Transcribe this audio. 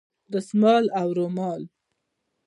دستمال او رومال